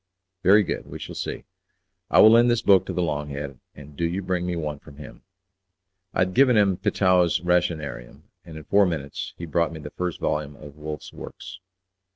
"Very good, we shall see. I will lend this book to the 'long head,' and do you bring me one from him." I had given him Petau's Rationarium, and in four minutes he brought me the first volume of Wolff's works.